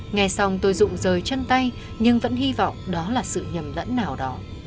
nghe xong tôi rụng rời chân tay nhưng vẫn hy vọng đó là sự nhầm lẫn nào đó